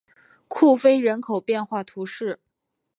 库菲人口变化图示